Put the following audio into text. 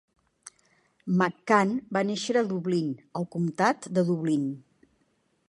McCann va néixer a Dublín, el comptat de Dublín.